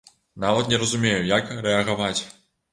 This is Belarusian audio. Нават не разумею, як рэагаваць.